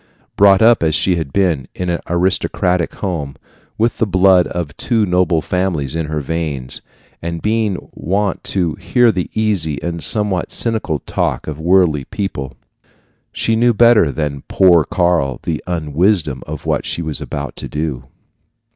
Brought up as she had been, in an aristocratic home, with the blood of two noble families in her veins, and being wont to hear the easy and somewhat cynical talk of worldly people, she knew better than poor Karl the un wisdom of what she was about to do.